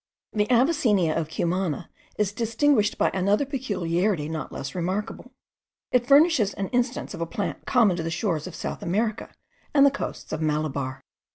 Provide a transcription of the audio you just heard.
The Avicennia of Cumana is distinguished by another peculiarity not less remarkable: it furnishes an instance of a plant common to the shores of South America and the coasts of Malabar.